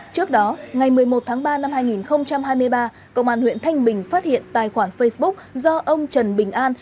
trước đó ngày một mươi một tháng ba năm hai nghìn hai mươi ba công an huyện thanh bình phát hiện tài khoản facebook do ông trần bình an